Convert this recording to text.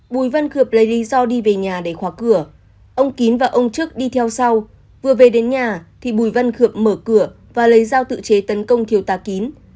bùi văn khượp lấy lý do đi về nhà để khóa cửa ông kín và ông trước đi theo sau vừa về đến nhà thì bùi văn khượm mở cửa và lấy dao tự chế tấn công thiếu tá kín